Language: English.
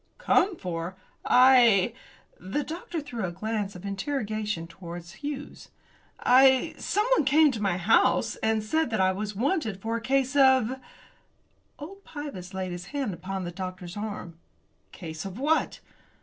"Come for? I " The doctor threw a glance of interrogation towards Hughes. "I someone came to my house and said that I was wanted for a case of " Old Pybus laid his hand upon the doctor's arm. "Case of what?"